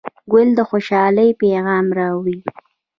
ګل د خوشحالۍ پیغام راوړي.